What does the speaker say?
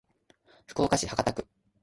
福岡市博多区